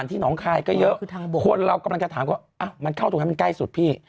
ที่หนองคายก็เยอะคนเรากำลังจะถามว่ามันเข้าตรงนั้นมันใกล้สุดพี่